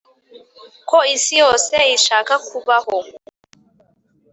ko isi yose ishaka kubaho?